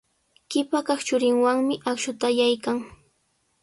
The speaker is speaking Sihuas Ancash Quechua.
Qipa kaq churinwanmi akshuta allaykan.